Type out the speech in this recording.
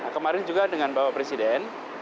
kemarin juga dengan bapak presiden